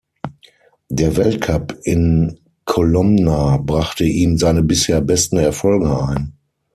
Der Weltcup in Kolomna brachte ihm seine bisher besten Erfolge ein.